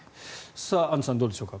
アンジュさんどうでしょうか。